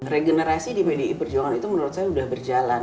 regenerasi di pdi perjuangan itu menurut saya sudah berjalan